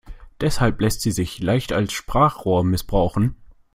Deshalb lässt sie sich leicht als Sprachrohr missbrauchen.